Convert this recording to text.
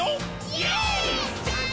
イエーイ！！